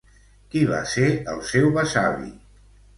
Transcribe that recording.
Qui va ser el seu besavi?